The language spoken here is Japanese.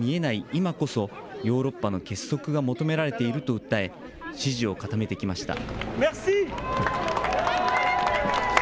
今こそ、ヨーロッパの結束が求められていると訴え、支持を固めてきました。